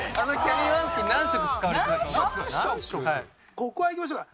ここはいきましょうか。